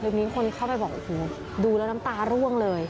รีบหนึ่งคนเข้าไปบอกหูดูแล้วีงตาร่วงเลย